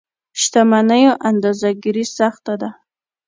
شتمنيو اندازه ګیري سخته ده.